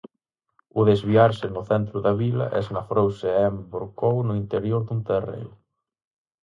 Ao desviarse no centro da vila, esnafrouse e envorcou no interior dun terreo.